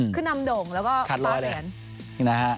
คือนำด่งแล้วก็คว้าเหรียญ